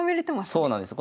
そうなんです。